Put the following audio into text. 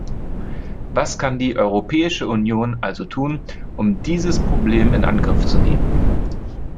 Was kann die Europäische Union also tun, um dieses Problem in Angriff zu nehmen?